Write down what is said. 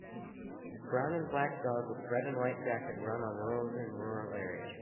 Brown and black dog with red and white jacket run on road in rural area.